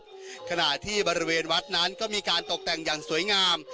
ที่ก็มีแก่งเขามาที่บริเวณวัดนั้นก็มีการตกแต่งอย่างสวยงาม